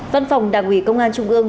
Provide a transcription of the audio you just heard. văn phòng đảng ủy công an trung ương